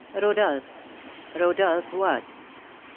"Rodolph." "Rodolph what?"